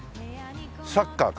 サッカーか。